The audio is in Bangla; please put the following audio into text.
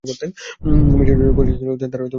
মিষ্টি সুরে পরিচয় দিল তারা পুলিশের লোক বলে।